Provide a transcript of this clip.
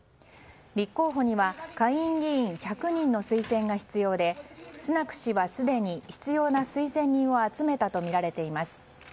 立候補には下院議員１００人の推薦が必要でスナク氏はすでに必要な推薦人を集めたとみられています。